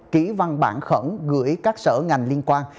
ký văn bản khẩn gửi các sở ngành liên quan